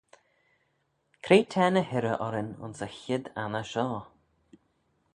Cre t'er ny hirrey orrin ayns y chied anney shoh?